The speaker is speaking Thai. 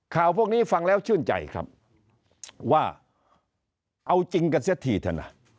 ข่าวพวกนี้ฟังแล้วชื่นใจครับว่าเอาจริงกันเสียทีเถอะนะ